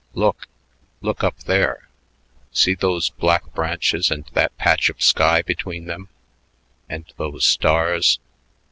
"Look, look up there. See those black branches and that patch of sky between them and those stars.